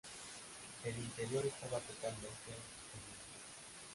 El interior estaba totalmente enlucido.